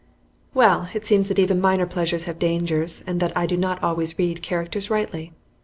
Well, it seems that even minor pleasures have dangers, and that I do not always read characters rightly.